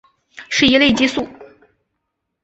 是一类激素。